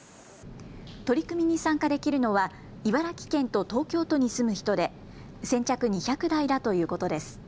取り組みに参加できるのは茨城県と東京都に住む人で先着２００台だということです。